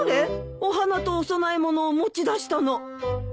お花とお供え物を持ち出したの。